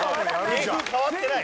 芸風変わってない。